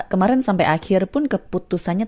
kemarin sampai akhir pun keputusannya